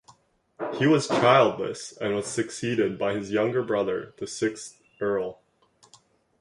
He was childless and was succeeded by his younger brother, the sixth Earl.